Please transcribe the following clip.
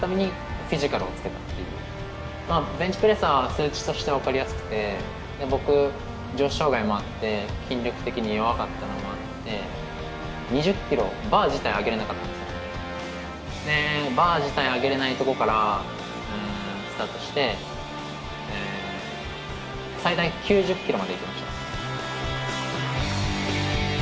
まあベンチプレスは数値として分かりやすくて僕でバー自体上げれないとこからスタートしてえ最大９０キロまでいきました。